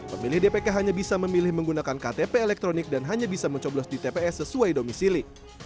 pemilih dpk hanya bisa memilih menggunakan ktp elektronik dan hanya bisa mencoblos di tps sesuai domisili